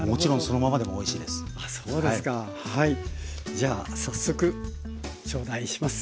じゃあ早速頂戴します。